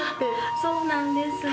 そうなんですね。